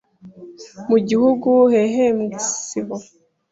mu gihugu ehehembwe Isibo